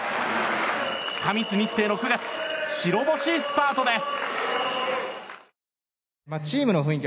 過密日程の９月白星スタートです。